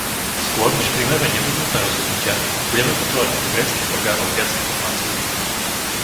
Skôr než prijmeme nevyhnutné rozhodnutia, budeme potrebovať od gréckych orgánov viac informácií.